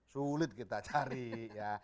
sulit kita cari ya